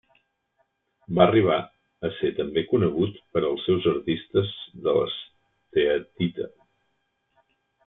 Va arribar a ser també conegut per als seus artistes de l'esteatita.